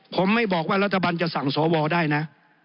ผมไม่บอกว่ารัฐบาลจะสั่งสวได้นะ